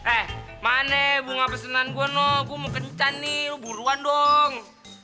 eh mana bunga pesenan gue nol gue mau kencan nih lo buruan dong